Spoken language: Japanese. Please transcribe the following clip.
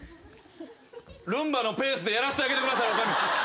ルンバのペースでやらせてあげてください女将。